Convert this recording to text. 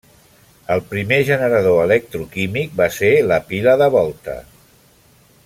El primer generador electroquímic va ser la pila de Volta.